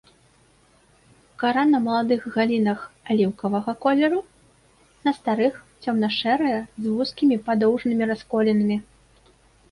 Кара на маладых галінах аліўкавага колеру, на старых цёмна-шэрая з вузкімі падоўжнымі расколінамі.